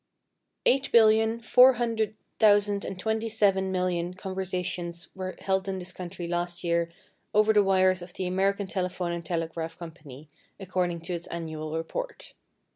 Eight billion, four hundred thousand and twenty seven million conversations were held in this country last year over the wires of the American Telephone and Telegraph Co., according to its annual report.